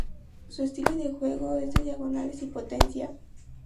Su estilo de juego es de diagonales y potencia.